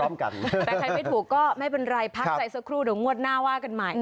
แต่ใครไม่ถูกก็ไม่เป็นไรพักใจสักครู่เดี๋ยวงวดหน้าว่ากันใหม่